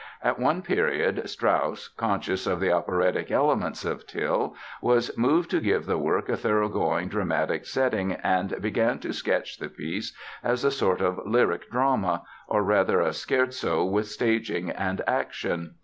At one period Strauss, conscious of the operatic elements of Till, was moved to give the work a thoroughgoing dramatic setting and began to sketch the piece as a sort of lyric drama, or rather a scherzo with staging and action.